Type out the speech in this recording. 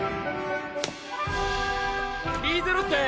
リーゼロッテ！